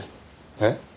えっ？